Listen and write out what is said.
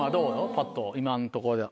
パッと今のところでは。